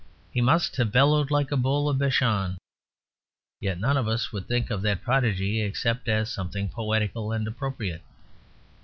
He must have bellowed like a bull of Bashan. Yet none of us would think of that prodigy except as something poetical and appropriate.